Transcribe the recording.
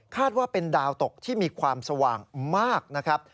ว่าเป็นดาวตกที่มีความสว่างมากนะครับ